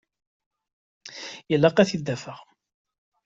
Ilaq ad t-id-afeɣ.